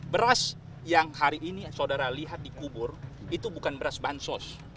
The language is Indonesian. beras yang hari ini saudara lihat di kubur itu bukan beras bansos